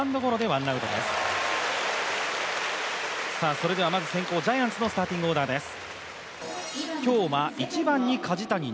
それではまず先行ジャイアンツのスターティングオーダーです。